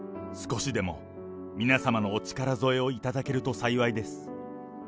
少しでも皆様のお力添えを頂けると幸いです。